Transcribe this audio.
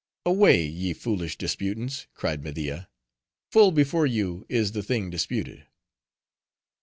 "Away, ye foolish disputants!" cried Media. "Full before you is the thing disputed."